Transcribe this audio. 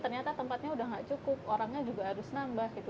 ternyata tempatnya udah gak cukup orangnya juga harus nambah gitu